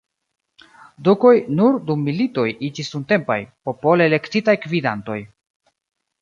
Dukoj nur dum militoj iĝis dumtempaj, popole elektitaj gvidantoj.